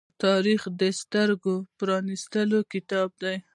تاریخ د سترگو پرانیستی کتاب دی.